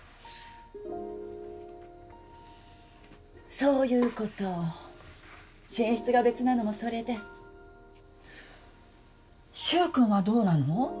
そういうこと寝室が別なのもそれで柊くんはどうなの？